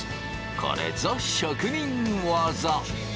これぞ職人技！